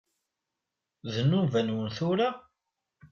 D nnuba-nwen tura?